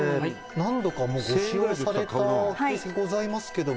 「何度か、ご使用された形跡ございますけども」